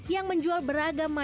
yang menjual berat dan berat